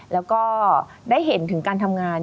แล้วก็ได้เห็นถึงการทำงาน